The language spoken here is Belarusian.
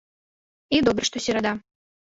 І добра, што серада.